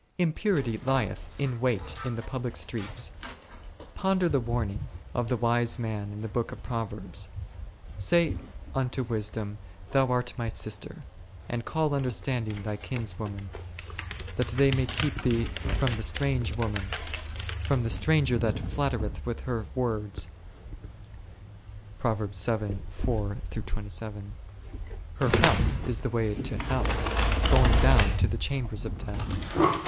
Impurity lieth in wait in the public streets ; ponder the warning of the Wise Man in the book of Proverbs, Say unto wis dom, Thou art my sister; and call understanding thy kinswoman : that they may keep thee from the strange woman, from the stranger that flattereth with her words* — her house is the way to hell, going down to the chambers of death.